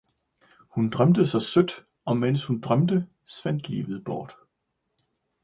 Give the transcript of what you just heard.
hun drømte så sødt, og mens hun drømte, svandt livet bort.